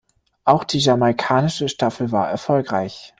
Auch die jamaikanische Staffel war erfolgreich.